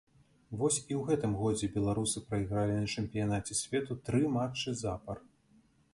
Вось і ў гэтым годзе беларусы прайгралі на чэмпіянаце свету тры матчы запар.